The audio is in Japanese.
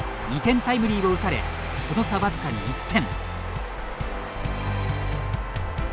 ２点タイムリーを打たれその差、わずかに１点。